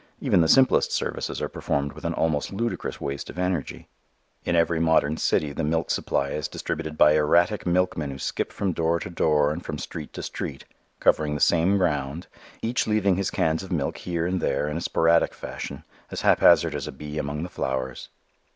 Even the simplest services are performed with an almost ludicrous waste of energy. In every modern city the milk supply is distributed by erratic milkmen who skip from door to door and from street to street, covering the same ground, each leaving his cans of milk here and there in a sporadic fashion as haphazard as a bee among the flowers.